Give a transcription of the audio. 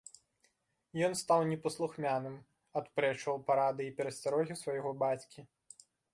Ён стаў непаслухмяным, адпрэчваў парады і перасцярогі свайго бацькі.